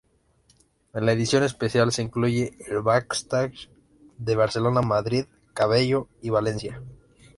En la edición especial se incluye el backstage de Barcelona, Madrid, Campello y Valencia.